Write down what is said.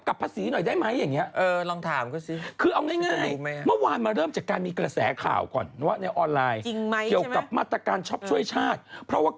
คุณม้าฉันรู้แล้วเราไปหาพี่เราดีกว่า